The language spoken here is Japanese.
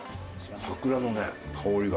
桜のね香りが。